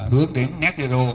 hướng đến net zero